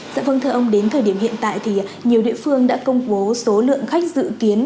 dạ vâng thưa ông đến thời điểm hiện tại thì nhiều địa phương đã công bố số lượng khách dự kiến